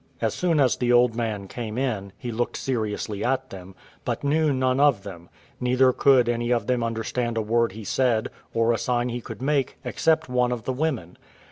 As soon as the old man came in, he looked seriously at them, but knew none of them; neither could any of them understand a word he said, or a sign he could make, except one of the women.